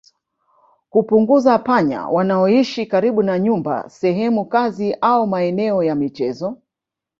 Kupunguza panya wanaoishi karibu na nyumba sehemu kazi au maeneo ya michezo